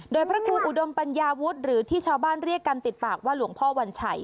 โดยพระครูอุดมปัญญาวุฒิหรือที่ชาวบ้านเรียกกันติดปากว่าหลวงพ่อวัญชัย